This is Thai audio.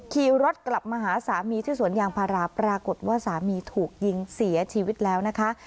ขี่รถกลับมาหาสามีที่สวนยางพาราปรากฏว่าสามีถูกยิงเสียชีวิตแล้วนะคะ